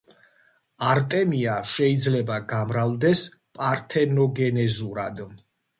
არტემია შეიძლება გამრავლდეს პართენოგენეზურად.